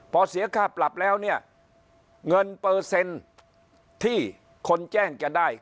พอเสียค่าปรับแล้วเนี่ยเงินเปอร์เซ็นต์ที่คนแจ้งจะได้